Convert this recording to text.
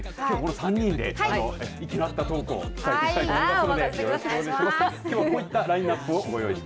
３人できょうは息の合ったトークをしていきたいと思いますのでよろしくお願いします。